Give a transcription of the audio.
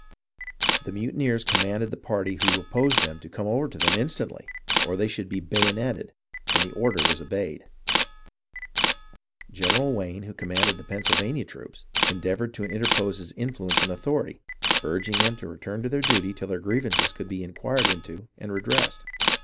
The mutineers com manded the party who opposed them to come over to them instantly or they should be bayoneted, and the order was obeyed. General Wayne, who commanded the Pennsylvania troops, endeavoured to interpose his influence and authority, urging them to return to their duty till their grievances could be inquired into and redressed.